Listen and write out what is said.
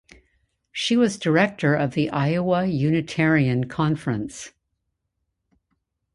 She was director of the Iowa Unitarian Conference.